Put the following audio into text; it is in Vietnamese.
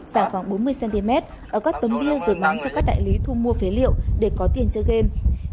dài khoảng bốn mươi cm ở các tấm bia rồi bán cho các đại lý thu mua phế liệu để có tiền chơi game